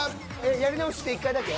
やり直しって１回だけ？